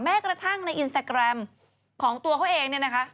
กระทั่งในอินสตาแกรมของตัวเขาเองเนี่ยนะคะ